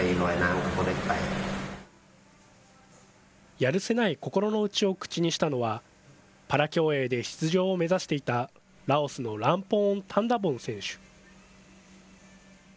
やるせない心の内を口にしたのは、パラ競泳で出場を目指していた、ラオスのランポーン・タンダボン選手。